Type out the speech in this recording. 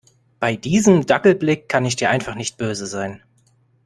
Bei diesem Dackelblick kann ich dir einfach nicht böse sein.